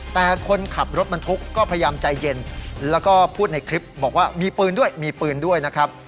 แต่คนขับรถบรรทุกก็พยายามใจเย็นแล้วก็พูดในคลิปบอกว่ามีปืนด้วยมีปืนด้วยนะครับ